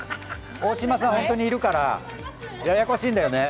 大島さん、本当にいるからややっこしいんだよね。